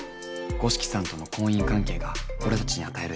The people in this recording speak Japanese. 五色さんとの婚姻関係が俺たちに与える影響。